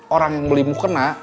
orang yang beli mukena